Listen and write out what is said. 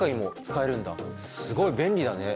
すごい便利だね。